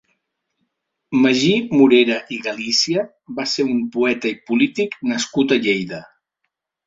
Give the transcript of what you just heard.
Magí Morera i Galícia va ser un poeta i polític nascut a Lleida.